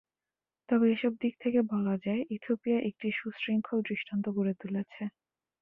তবে এসব দিক থেকে বলা যায়, ইথিওপিয়া একটা সুশৃঙ্খল দৃষ্টান্ত গড়ে তুলেছে।